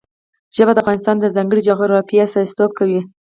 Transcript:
ژبې د افغانستان د ځانګړي جغرافیه استازیتوب کوي.